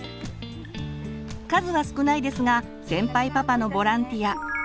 数は少ないですが先輩パパのボランティア